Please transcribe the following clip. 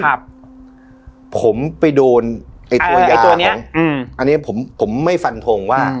ครับผมไปโดนไอ้ตัวนี้อืมอันนี้ผมผมไม่ฟันทงว่า